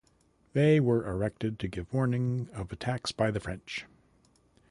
They were erected to give warning of attacks by the French.